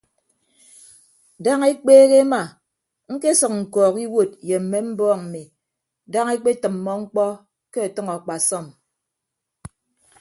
Daña ekpeehe ema ñkesʌk ñkọọk iwuod ye mme mbọọñ mmi daña ekpetʌmmọ mkpọ ke ọtʌñ akpasọm.